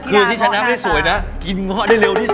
คือที่ชนะได้สวยนะกินเงาะได้เร็วที่สุด